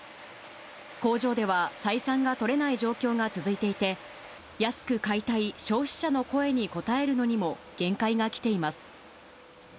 工場では採算が取れない状況が続いていて、安く買いたい消費者の声に応えるのにも限界が来ています。